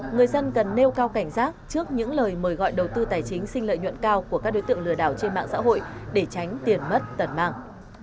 người dân cần nêu cao cảnh giác trước những lời mời gọi đầu tư tài chính xin lợi nhuận cao của các đối tượng lừa đảo trên mạng xã hội để tránh tiền mất tật mạng